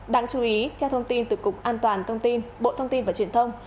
đáng chú ý theo thông tin từ cục an toàn thông tin bộ thông tin và truyền thông